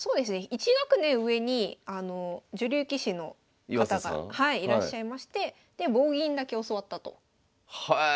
１学年上に女流棋士の方がいらっしゃいましてで棒銀だけ教わったとへえ！